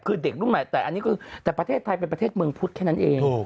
คือเด็กรุ่นใหม่แต่อันนี้คือแต่ประเทศไทยเป็นประเทศเมืองพุทธแค่นั้นเอง